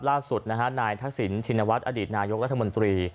ล่าสุดนะฮะนายทักษิณชินวัฒน์อดีตนายกรัฐมนตรี